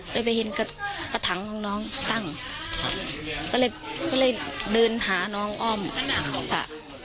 ไปเห็นกระถังของน้องตั้งก็เลยก็เลยเดินหาน้องอ้อมค่ะ